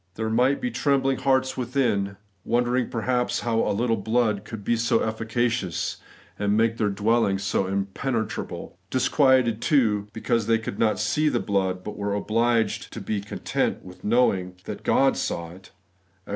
* There might be trembling hearts within, wondering perhaps how a Uttle blood could r be so efficacious, and make their dwelling so im* pregnable; disquieted, too, because they could not see the blood, but were obliged to be content with knowing that God saw it (Ex.